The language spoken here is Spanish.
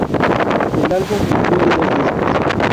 El álbum incluye dos discos.